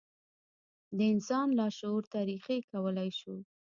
د انسان لاشعور ته رېښې کولای شي.